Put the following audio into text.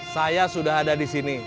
saya sudah ada disini